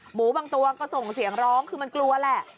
หมูบางตัวก็ส่งเสียงร้องคือมันกลัวแหละ